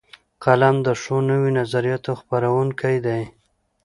قلم د ښو نویو نظریاتو خپروونکی دی